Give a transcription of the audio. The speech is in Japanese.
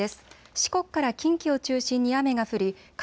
四国から近畿を中心に雨が降り雷